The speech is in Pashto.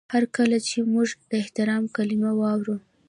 هر کله چې موږ د احترام کلمه اورو